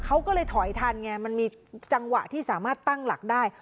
เขาก็เลยถอยทันไงมันมีจังหวะที่สามารถตั้งหลักได้